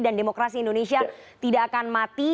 dan demokrasi indonesia tidak akan mati